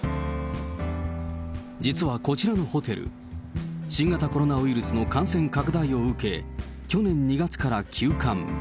実はこちらのホテル、新型コロナウイルスの感染拡大を受け、去年２月から休館。